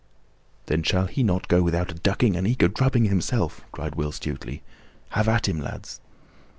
"Then shall he not go without a ducking and eke a drubbing himself!" cried Will Stutely. "Have at him, lads!"